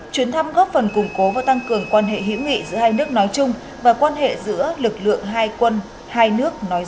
chuyến thăm góp phần củng cố và tăng cường quan hệ hữu nghị giữa hai nước nói chung và quan hệ giữa lực lượng hai quân hai nước nói chung